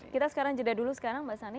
kita sekarang jeda dulu sekarang mbak sani